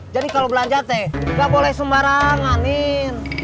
jadi kalau belanja teh nggak boleh sembarangan nen